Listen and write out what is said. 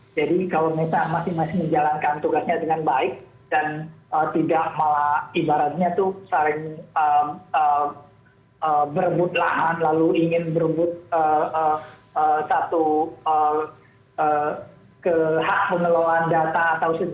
jadi kalau mereka masing masing menjalankan tugasnya dengan baik dan tidak malah ibaratnya itu saling berebut lahan lalu ingin berebut satu hak pengelolaan data atau sejenisnya